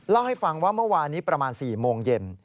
เล่าให้ฟังว่าเมื่อวานนี้ประมาณ๔โมงเย็น